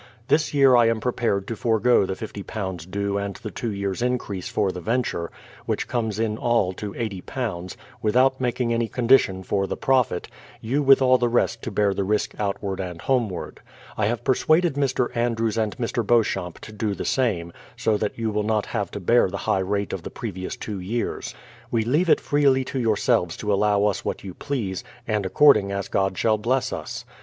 This year I am prepared to forego the £50 due and the two years' increase for the venture, which comes in all to iSo, without making any condition for the profit,— you with the rest to bear the risk outward and homeward. I have persuaded Mr. Andrews and Mr. Beauchamp to do the same, so that you will not have to bear the high rate of the previous two years. We leave it freely to yourselves to allow us what you please, and according as God shall bless us.